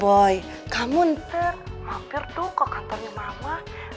boy kamu ntar mampir tuh ke kantornya mama